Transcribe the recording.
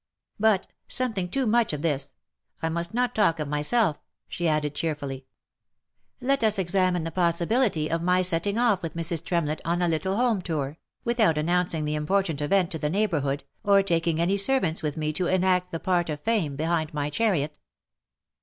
But t something too much of this.' I must not talk of my self," she added, cheerfully. " Let us examine the possibility of my setting off with Mrs. Tremlett on a little home tour, without announcing the important event to the neighbourhood, or taking any servants with me to enact the part of Fame behind my chariot."